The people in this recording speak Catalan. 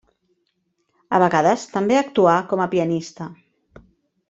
A vegades també actuà com a pianista.